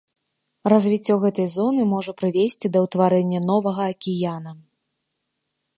Развіццё гэтай зоны можа прывесці да ўтварэння новага акіяна.